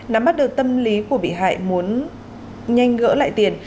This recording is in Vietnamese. nắm bắt được tâm lý của bị hại muốn nhanh gỡ lại tiền